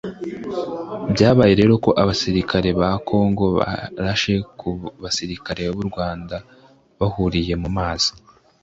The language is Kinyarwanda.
Byabaye rero ko abasirikare ba Congo barashe ku basirikare b’u Rwanda bahuriye mu mazi